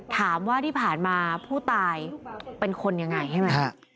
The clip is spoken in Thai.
ถามว่าที่ผ่านมาผู้ตายเป็นคนยังไงใช่ไหม